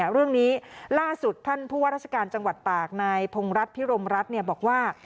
เรื่องนี้ล่าสุดท่านผู้ว่าราชการจังหวัดตากนายพงรัฐพิรมรัฐบอกว่า